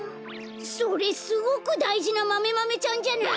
それすごくだいじなマメマメちゃんじゃない！